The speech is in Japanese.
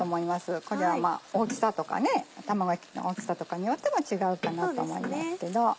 これは卵焼きの大きさによっても違うかなと思いますけど。